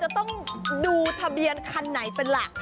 จะต้องดูทะเบียนคันไหนเป็นหลัก